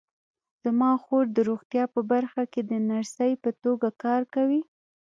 زما خور د روغتیا په برخه کې د نرسۍ په توګه کار کوي